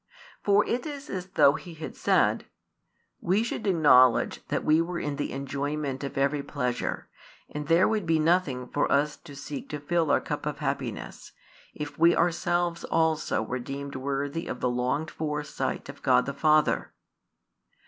For it is as though he had said: "We should acknowledge that we were in the enjoyment of every pleasure, and there would be nothing for us to seek to fill our cup of happiness, if we ourselves also were deemed worthy of the longed for sight of God the Father."